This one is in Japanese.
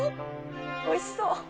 おいしそう。